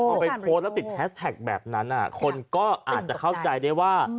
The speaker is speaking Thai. พอไปโพสต์แล้วติดแฮสแท็กแบบนั้นคนก็อาจจะเข้าใจได้ว่า